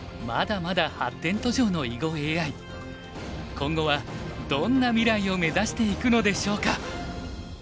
今後はどんな未来を目指していくのでしょうか。